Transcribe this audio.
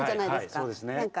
そうですね。